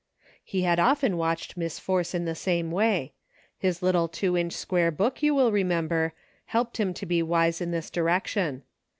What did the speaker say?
He had often watched Miss Force in the same way. His little two inch square book, you will remember, helped him to be wise in this direction.